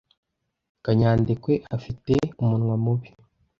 kanyandekwe afite umunwa mubi.